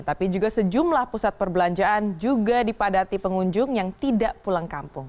tapi juga sejumlah pusat perbelanjaan juga dipadati pengunjung yang tidak pulang kampung